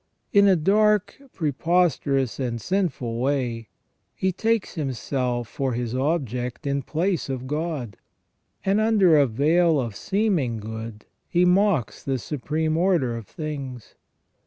In a dark, preposterous, and sinful way, he takes himself for his object in place of God, and under a veil of seeming good he mocks the supreme order of things.